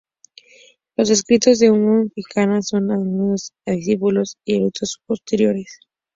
Los escritos del Abhidhamma-pitaka son adjudicados a discípulos y eruditos posteriores.